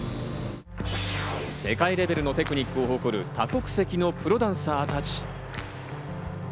世界レベルのテクニックを誇る他国籍のプロダンサーたち。